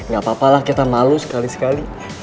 gapapalah kita malu sekali sekali